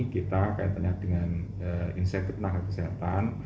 kita kaitannya dengan insentif tenaga kesehatan